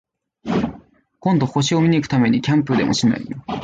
今度、星を見に行くためにキャンプでもしない？